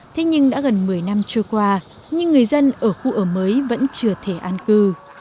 thế nhưng đã gần một mươi năm trôi qua nhưng người dân ở khu ở mới vẫn chưa thể an cư